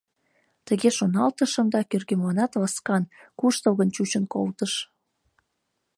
Тыге шоналтышым да кӧргемланат ласкан, куштылгын чучын колтыш.